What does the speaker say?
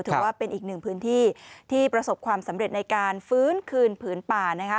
ถือว่าเป็นอีกหนึ่งพื้นที่ที่ประสบความสำเร็จในการฟื้นคืนผืนป่านะคะ